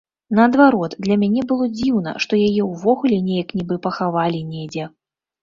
Наадварот, для мяне было дзіўна, што яе ўвогуле неяк нібы пахавалі недзе.